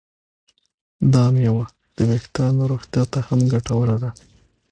دا میوه د ویښتانو روغتیا ته هم ګټوره ده.